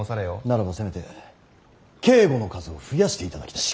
ならばせめて警固の数を増やしていただきたい。